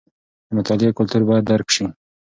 د مطالعې کلتور باید درک شي.